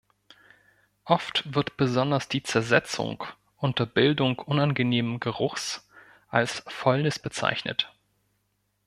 Oft wird besonders die Zersetzung unter Bildung unangenehmen Geruchs als Fäulnis bezeichnet.